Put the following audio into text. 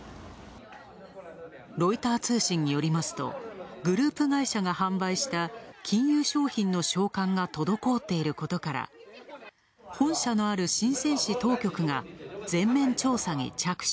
ロイター通信によりますと、グループ会社が販売した金融商品の償還が滞っていることから本社のある深セン当局が前面調査に着手。